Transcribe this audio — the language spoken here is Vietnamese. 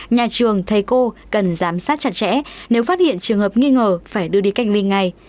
nhà trường thầy cô cần giám sát chặt chẽ nếu phát hiện trường hợp nghi ngờ phải đưa đi cách ly ngay